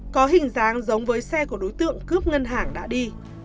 có hình dáng giống với xe của đối tượng cướp ngân hàng đã đi